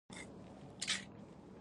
بوشهر بل مهم بندر دی.